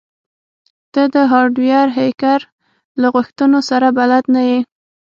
ته د هارډویر هیکر له غوښتنو سره بلد نه یې